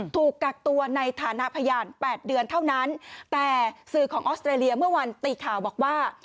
ถูกกักตัวในฐานะพยานแปดเดือนเท่านั้นแต่สื่อของออสเตรเลียเมื่อวันตีข่าวบอกว่า